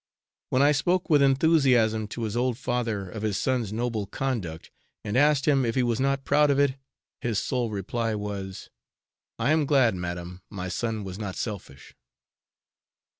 When I spoke with enthusiasm to his old father of his son's noble conduct, and asked him if he was not proud of it, his sole reply was, 'I am glad, madam, my son was not selfish.'